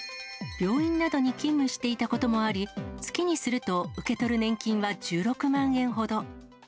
病院などに勤務していたこともあり、月にすると受け取る年金は１６万円ほど。